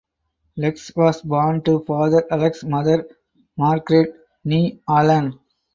Lex was born to father Alex Mother Margaret (nee Allan).